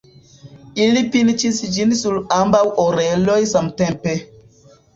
Ili pinĉis ĝin sur ambaŭ oreloj samtempe.